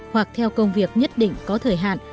hoặc theo công việc nhất định có thời hạn